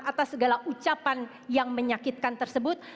atas segala ucapan yang menyakitkan tersebut